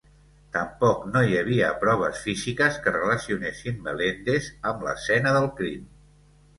Tampoc no hi havia proves físiques que relacionessin Melendez amb l'escena del crim.